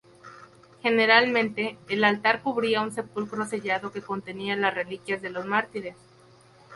Generalmente, el altar cubría un sepulcro sellado que contenía las reliquias de los mártires.